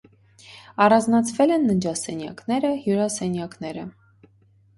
Առանձնացվել են ննջասենյակները, հյուրասենյակները։